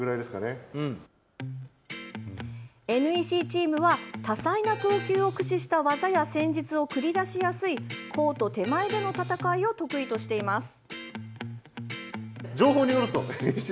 ＮＥＣチームは多彩な投球を駆使した技や戦術を繰り出しやすいコート手前での戦いを得意としています。